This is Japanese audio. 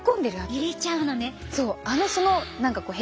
入れちゃうのね。